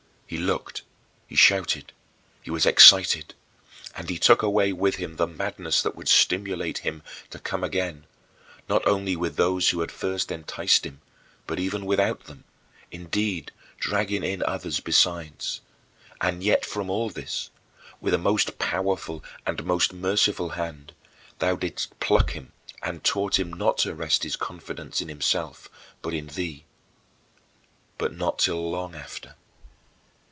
He looked, he shouted, he was excited, and he took away with him the madness that would stimulate him to come again: not only with those who first enticed him, but even without them; indeed, dragging in others besides. And yet from all this, with a most powerful and most merciful hand, thou didst pluck him and taught him not to rest his confidence in himself but in thee but not till long after.